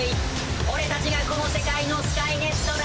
俺タチがこの世界のスカイネットだ！